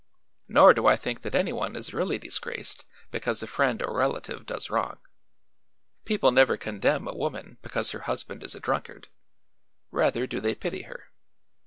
Nor do I think that anyone is really disgraced because a friend or relative does wrong. People never condemn a woman because her husband is a drunkard; rather do they pity her.